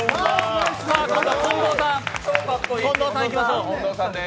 続いて近藤さん、いきましょう。